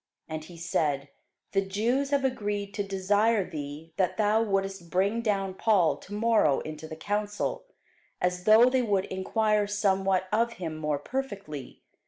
And he said, The Jews have agreed to desire thee that thou wouldest bring down Paul to morrow into the council, as though they would enquire somewhat of him more perfectly.